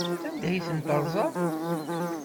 Anda ay tent-terẓam?